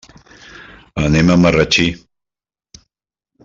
Anem a Marratxí.